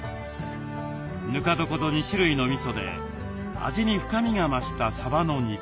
ぬか床と２種類のみそで味に深みが増したさばの煮付け。